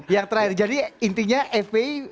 yang terakhir jadi intinya fpi